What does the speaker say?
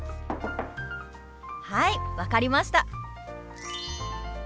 はい分かりました！